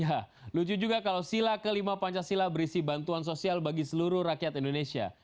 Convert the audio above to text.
ya lucu juga kalau sila kelima pancasila berisi bantuan sosial bagi seluruh rakyat indonesia